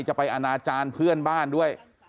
ไปอนาจารย์เพื่อนบ้านด้วย